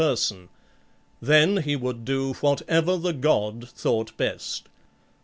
3 6 then he would do whatsoever the god thought best.